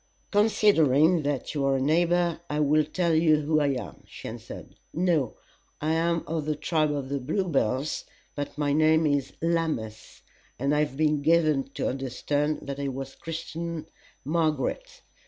"Considering that you are a neighbor, I will tell you who I am," she answered. "No; I am of the tribe of Bluebells, but my name is Lammas, and I have been given to understand that I was christened Margaret.